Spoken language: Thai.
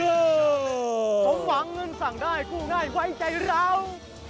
ของหวังนึงสั่งได้คู่ง่ายไว้ใจเรา